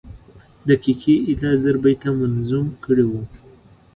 دقیقي ایله زر بیته منظوم کړي وو.